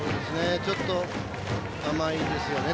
ちょっと甘いですよね